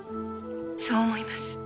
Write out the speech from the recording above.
そう思います。